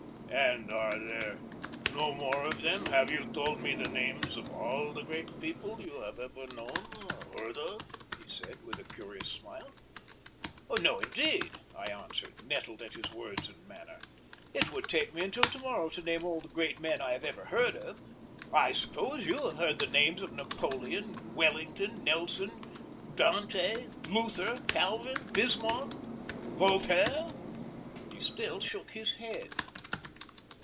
"And are there no more of them have you told me the names of all the great people you have ever known or heard of?" he said, with a curious smile. "No, indeed," I answered, nettled at his words and manner. "It would take me until to morrow to name all the great men I have ever heard of. I suppose you have heard the names of Napoleon, Wellington, Nelson, Dante, Luther, Calvin, Bismarck, Voltaire?" He still shook his head.